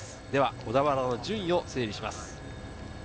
小田原の順位を整理します。